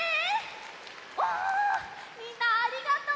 わあみんなありがとう！